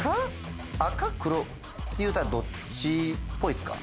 赤黒いうたらどっちっぽいですか？